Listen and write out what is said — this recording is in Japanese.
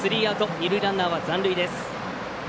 二塁ランナーは残塁です。